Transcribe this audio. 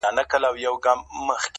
وخت را ښیي مطلبي یاران پخپله,